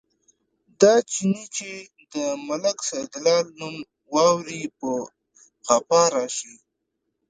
دا چيني چې د ملک سیدلال نوم واوري، په غپا راشي.